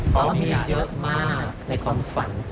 เพราะว่ามีเยอะมากในความฝัน